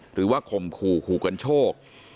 หรือว่าข่มขู่ขู่กันโชค